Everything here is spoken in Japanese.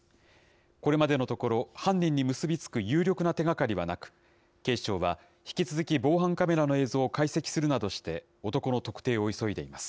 これまでのところ、犯人に結び付く有力な手がかりはなく、警視庁は、引き続き防犯カメラの映像を解析するなどして、男の特定を急いでいます。